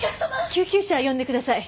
救急車呼んでください。